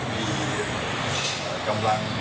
มีกำลัง